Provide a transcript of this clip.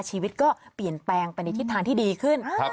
ชีวิตก็เปลี่ยนแปลงไปในทิศทางที่ดีขึ้น